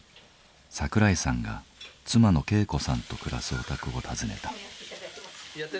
桜井さんが妻の恵子さんと暮らすお宅を訪ねた。